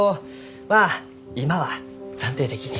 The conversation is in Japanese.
まあ今は暫定的に。